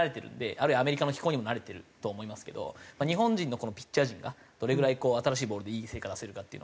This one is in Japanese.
あるいはアメリカの気候にも慣れてると思いますけど日本人のピッチャー陣がどれぐらい新しいボールでいい成果出せるかっていうのは。